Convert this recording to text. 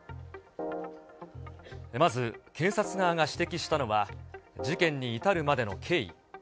まず、検察側が指摘したのは、事件に至るまでの経緯。